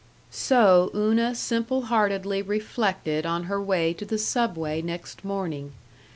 So Una simple heartedly reflected on her way to the Subway next morning.